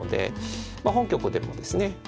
本局でもですね